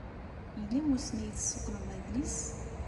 Yella wasmi ay d-tessuqqleḍ adlis?